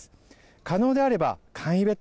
可能であれば簡易ベッド。